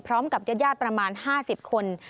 พร้อมกับญาติประมาณ๕๐คน